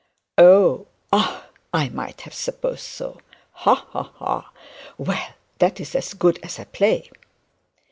'Oh, ah. I might have supposed so. Ha, ha, ha. Well, that's as good as a play.'